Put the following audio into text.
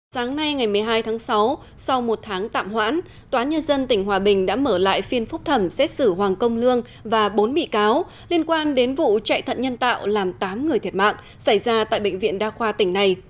sáng nay ngày một mươi hai tháng sáu sau một tháng tạm hoãn tòa nhân dân tỉnh hòa bình đã mở lại phiên phúc thẩm xét xử hoàng công lương và bốn bị cáo liên quan đến vụ chạy thận nhân tạo làm tám người thiệt mạng xảy ra tại bệnh viện đa khoa tỉnh này